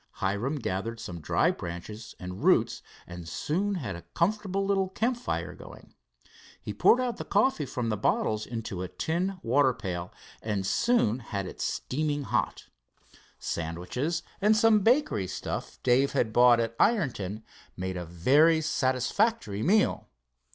Hiram gathered some dry branches and roots and soon had a comfortable little campfire going. He poured out the coffee from the bottles into a tin water pail, and soon had it steaming hot. Sandwiches and some bakery stuff Dave had bought at Ironton made a very satisfactory meal.